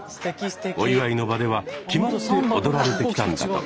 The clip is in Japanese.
お祝いの場では決まって踊られてきたんだとか。